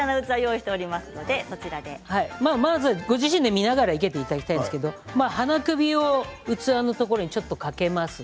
まず、ご自身で見ながら生けていただきたいんですが花首を器のところにちょっと掛けます。